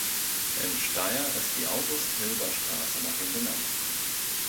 In Steyr ist die August-Hilber-Straße nach ihm benannt.